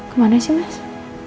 kemana sih mas